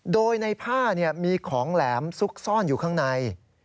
โดยในผ้ามีของแหลมซุกซ่อนอยู่ข้างใน